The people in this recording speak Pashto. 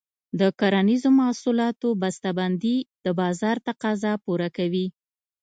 د کرنیزو محصولاتو بسته بندي د بازار تقاضا پوره کوي.